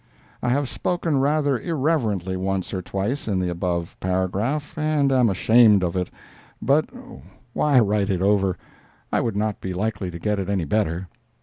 I have spoken rather irreverently once or twice in the above paragraph, and am ashamed of it. But why write it over? I would not be likely to get it any better.